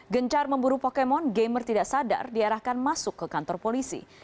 gencar memburu pokemon gamer tidak sadar diarahkan masuk ke kantor polisi